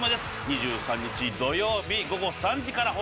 ２３日土曜日午後３時から放送です。